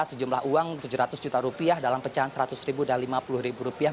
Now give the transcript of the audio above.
sejumlah uang tujuh ratus juta rupiah dalam pecahan seratus ribu dan lima puluh ribu rupiah